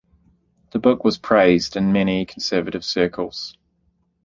The book was praised in many conservative circles.